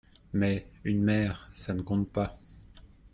Mais, une mère, ça ne compte pas.